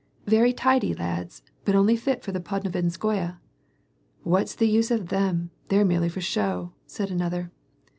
" Very tidy lads I but only fit for the Podnovinskoye." " What's the use of them. They're merely for show," said another.